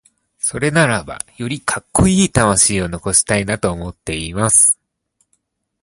それならばよりカッコイイ魂を残したいなと思っています。